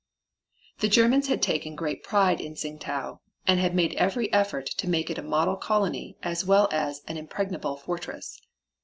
The Germans had taken great pride in Tsing tau, and had made every effort to make it a model colony as well as an impregnable fortress.